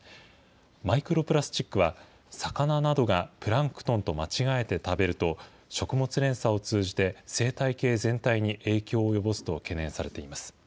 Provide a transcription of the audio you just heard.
マイクロプラスチックは魚などがプランクトンと間違えて食べると、食物連鎖を通じて生態系全体に影響を及ぼすと懸念されています。